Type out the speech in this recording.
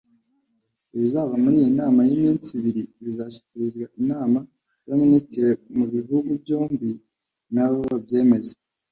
Ibizava muri iyi nama y’iminsi biri bizashyikirizwa inama z’amabinisitiri mu bihugu byombi nabo babyemeze